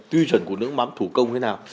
quy truẩn của nước mắm thủ công thế nào